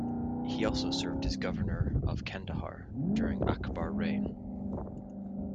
He also served as governor of kandhar during Akbar reign.